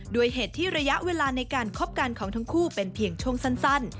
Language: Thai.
เหตุที่ระยะเวลาในการคบกันของทั้งคู่เป็นเพียงช่วงสั้น